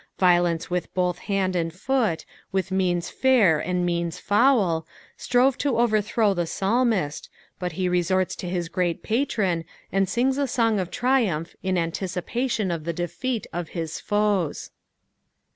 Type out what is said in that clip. Violence with both hand and foot, with means fair and means foul. strove to overthrow the psalmist, but he resorts to his great Patron, and sings a song of triumph in anticipation of the defeat of his foes.